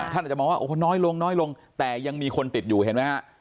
ท่านอาจจะบอกว่าน้อยลงแต่ยังมีคนติดอยู่เห็นไหมค่ะ